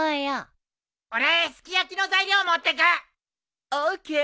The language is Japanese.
俺すき焼きの材料持ってく！ＯＫ。